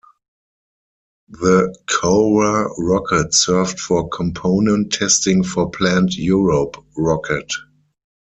The Cora rocket served for component testing for planned Europe Rocket.